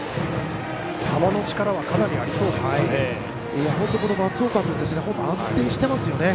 球の力はかなりありそうですかね。